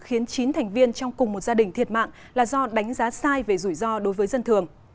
khiến chín thành viên trong cùng một gia đình thiệt mạng là do đánh giá sai về rủi ro đối với dân thường